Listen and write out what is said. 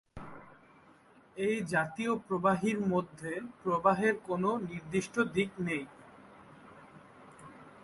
এই জাতীয় প্রবাহীর মধ্যে, প্রবাহের কোনও নির্দিষ্ট দিক নেই।